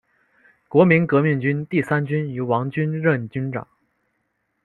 国民革命军第三军由王均任军长。